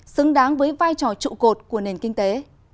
xứng đáng với vai trò trụ cột của nền kinh tế